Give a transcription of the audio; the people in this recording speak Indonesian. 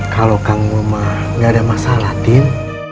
kalau kang mul gak ada masalah tin